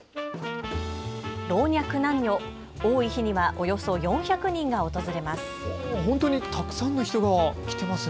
老若男女、多い日にはおよそ４００人が訪れます。